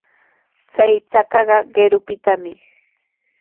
Chay chakaqa qirupitami.